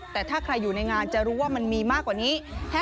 แต่ถ้าใครอยู่ในงานจะรู้ว่ามันมีมากกว่านี้